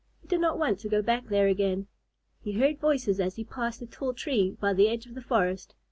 He did not want to go back there again. He heard voices as he passed a tall tree by the edge of the forest.